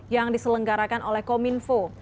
yang diselenggarakan oleh kominfo